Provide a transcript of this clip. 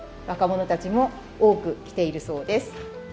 若者たちも多く来ているそうです。